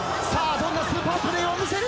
どんなスーパープレーを見せるのか！？